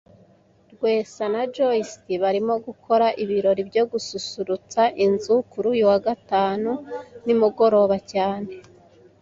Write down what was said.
Rwesa na Joyce barimo gukora ibirori byo gususurutsa inzu kuri uyu wa gatanu nimugoroba cyane